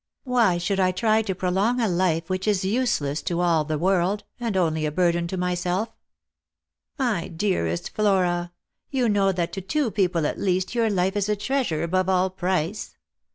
Why should I try to prolong a life which is useless to all the world and only a burden to myself? "" My dearest Flora, you know that to two people at least your life is a treasure above all price.